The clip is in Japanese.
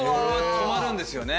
止まるんですよね。